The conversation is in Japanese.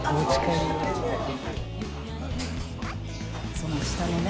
その下のね。